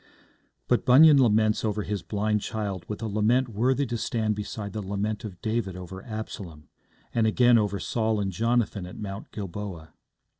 But Bunyan laments over his blind child with a lament worthy to stand beside the lament of David over Absalom, and again over Saul and Jonathan at Mount Gilboa.